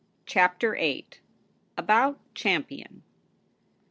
CHAPTER VIII. 'about champion?'